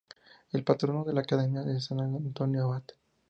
El Patrono de la Academia es San Antonio Abad.